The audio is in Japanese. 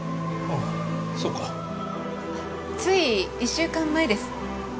あっつい１週間前です。